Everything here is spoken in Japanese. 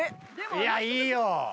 いやいいよ。